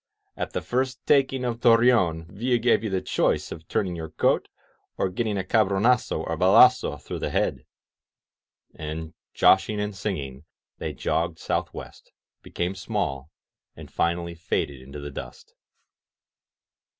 At the first taking of Torreon, Villa gave you the choice of turning your coat or getting a cabronasso or balasso through the head!" And, joshing and singing, they jogged southwest, became small, and finally faded into the dust.